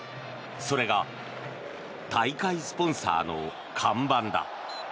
それが大会スポンサーの看板だ。